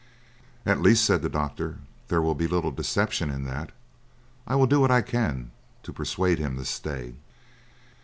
"At least," said the doctor, "there will be little deception in that. I will do what I can to persuade him to stay."